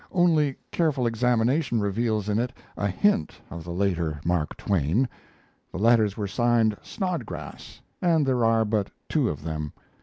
Only careful examination reveals in it a hint of the later Mark Twain. The letters were signed "Snodgrass," and there are but two of them.